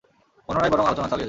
অন্যরাই বরং আলোচনা চালিয়ে যাক।